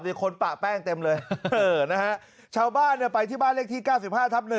คนปะแป้งเต็มเลยนะฮะชาวบ้านไปที่บ้านเลขที่๙๕ทับ๑